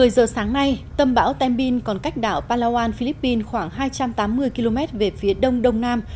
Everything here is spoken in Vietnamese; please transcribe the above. một mươi giờ sáng nay tâm bão tembin còn cách đảo palawan philippines khoảng hai trăm tám mươi km về phía đông đông nam